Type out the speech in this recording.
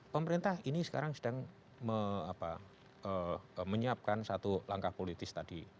pemerintah ini sekarang sedang menyiapkan satu langkah politis tadi